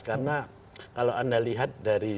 karena kalau anda lihat dari